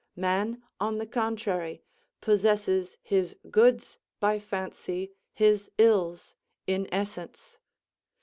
Man, on the contrary, possesses his goods by fancy, his ills in essence.